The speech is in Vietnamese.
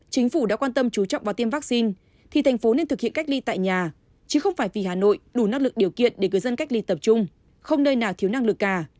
chính phủ đã quan tâm chú trọng vào tiêm vaccine thì thành phố nên thực hiện cách ly tại nhà chứ không phải vì hà nội đủ năng lực điều kiện để người dân cách ly tập trung không nơi nào thiếu năng lực cả